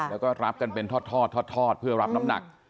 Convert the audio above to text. แล้วก็รับกันเป็นทอดเพื่อรับน้ำหนัก